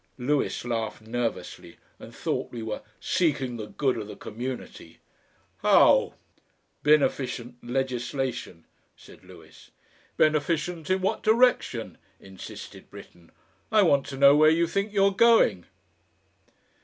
Lewis laughed nervously, and thought we were "Seeking the Good of the Community." "HOW?" "Beneficient Legislation," said Lewis. "Beneficient in what direction?" insisted Britten. "I want to know where you think you are going."